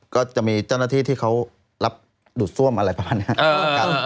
ก็จะมีเจ้าหน้าที่ที่เขารับดูดซ่วมอะไรประมาณนี้